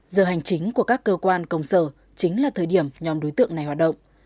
giờ hành chính của các cơ quan công sở chính là thời điểm nhóm đối tượng này hoạt động